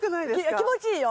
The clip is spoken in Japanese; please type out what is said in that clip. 気持ちいいよ。